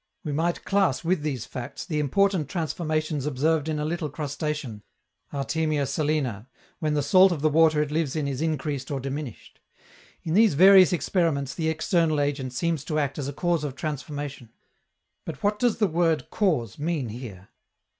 We might class with these facts the important transformations observed in a little crustacean, Artemia salina, when the salt of the water it lives in is increased or diminished. In these various experiments the external agent seems to act as a cause of transformation. But what does the word "cause" mean here?